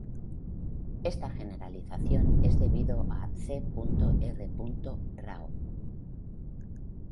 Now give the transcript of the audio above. Esta generalización es debido a C. R. Rao.